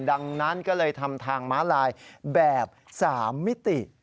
ดังนั้นก็เลยทำทางม้าลายแบบ๓มิติ